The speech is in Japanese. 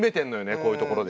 こういうとこで。